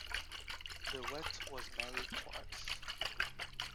De Wet was married twice.